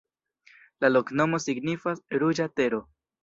La loknomo signifas: ruĝa tero.